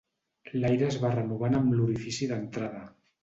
L'aire es va renovant amb l'orifici d'entrada.